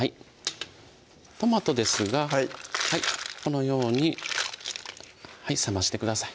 トマトですがこのように冷ましてください